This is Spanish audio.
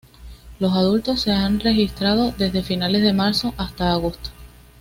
Los adultos se han registrado desde finales de marzo hasta agosto.